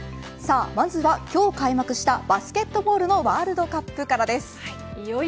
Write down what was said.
まずは今日開幕したバスケットボールのワールドカップからです。